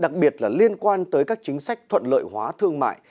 đặc biệt là liên quan tới các chính sách thuận lợi hóa thương mại